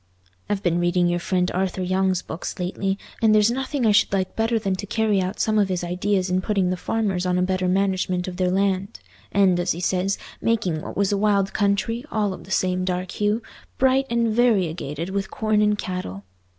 I've been reading your friend Arthur Young's books lately, and there's nothing I should like better than to carry out some of his ideas in putting the farmers on a better management of their land; and, as he says, making what was a wild country, all of the same dark hue, bright and variegated with corn and cattle.